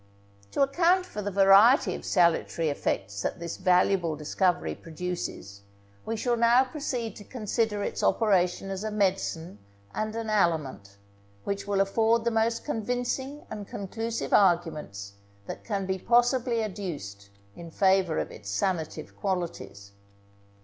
To account for the variety of salutary effects that this valuable discovery produces, we shall now proceed to consider its operation as a medicine and an aliment, which will afford the most convincing and conclusive arguments that can be possibly adduced in favour of its sanative qualities.